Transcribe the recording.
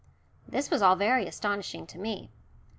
This was all very astonishing to me.